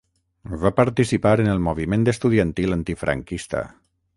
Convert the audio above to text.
Va participar en el moviment estudiantil antifranquista.